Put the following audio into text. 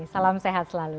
salam sehat selalu